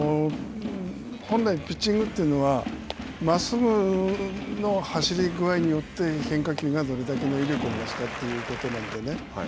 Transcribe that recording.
本来ピッチングというのはまっすぐの走りぐあいによって変化球がどれだけの威力を増すかということなんでね。